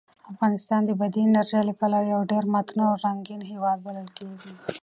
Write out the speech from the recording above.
افغانستان د بادي انرژي له پلوه یو ډېر متنوع او رنګین هېواد بلل کېږي.